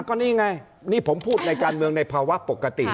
ก็นี่ไงนี่ผมพูดในการเมืองในภาวะปกติ